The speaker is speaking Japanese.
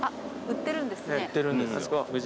売ってるんですよ。